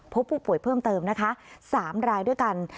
พบผู้ป่วยเพิ่มเติมนะคะ๓รายด้วยกัน